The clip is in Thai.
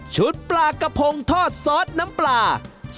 ปลากระพงทอดซอสน้ำปลา